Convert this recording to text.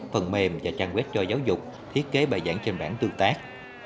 phần mềm và trang web cho giáo dục thiết kế bài giảng trên rãn tương tác